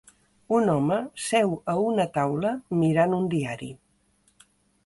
Un home seu a una taula mirant un diari